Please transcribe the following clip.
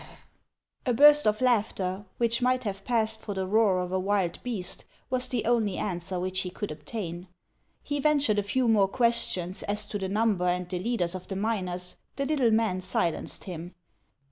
A burst of laughter, which might have passed for the roar of a wild beast, was the only answer which he could obtain. He ventured a few more questions as to the number and the leaders of the miners ; the little man silenced him.